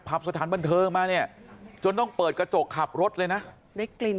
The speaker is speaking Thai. สถานบันเทิงมาเนี่ยจนต้องเปิดกระจกขับรถเลยนะได้กลิ่น